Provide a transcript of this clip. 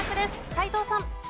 斎藤さん。